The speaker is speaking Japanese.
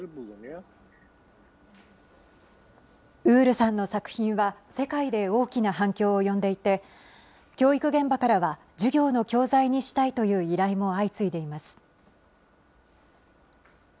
ウールさんの作品は、世界で大きな反響を呼んでいて、教育現場からは、授業の教材にしたいという依頼も相次いでいます。